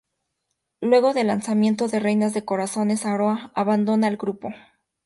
Luego del lanzamiento de Reinas de Corazones Aroa abandona el grupo.